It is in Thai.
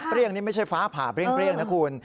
เรียกนี่ไม่ใช่ฟ้าผ่าเปรี้ยงนะคุณ